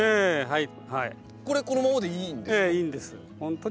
はい。